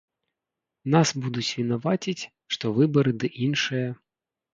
Нас будуць вінаваціць, што выбары ды іншае.